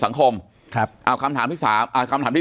ปากกับภาคภูมิ